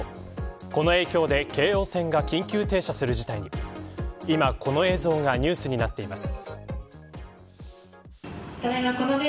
この影響で京王線が緊急停車する事態に今この映像がニュースになっています。